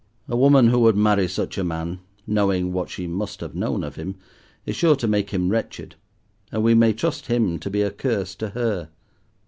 "A woman who would marry such a man, knowing what she must have known of him, is sure to make him wretched, and we may trust him to be a curse to her."